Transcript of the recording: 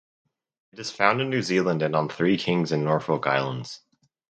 It is found in New Zealand and on Three Kings and Norfolk Islands.